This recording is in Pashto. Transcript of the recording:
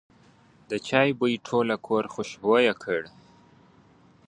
د چای بوی ټول کور خوشبویه کړ.